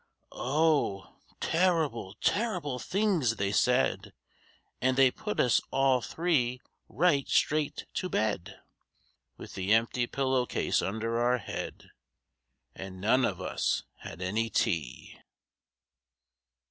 Oh! terrible, terrible things they said! And they put us all three right straight to bed, With the empty pillow case under our head, And none of us had any tea!